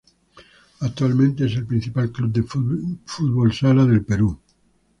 Actualmente es el principal club de futsal del Perú.